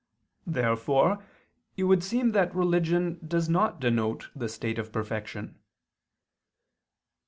Therefore it would seem that religion does not denote the state of perfection.